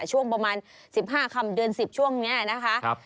ช่วงประมาณ๑๕คำเดือน๑๐ช่วงนี้นะคะ